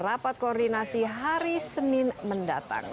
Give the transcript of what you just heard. rapat koordinasi hari senin mendatang